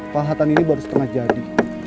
pahatan ini baru terjadi